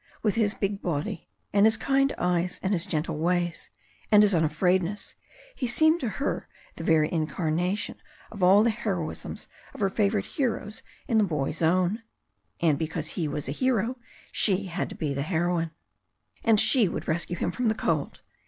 With his big body, and his kind eyes, and his gentle ways, and his unafraidness, he seemed to her the very incarnation of all the heroisms of her favorite heroes in the Boy3^ Own. And because he was a hero she had to be the heroine. And she would rescue him from the cold.